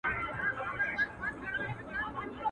شمع به واخلي فاتحه د جهاني د نظم.